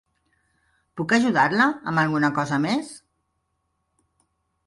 Puc ajudar-la amb alguna cosa més?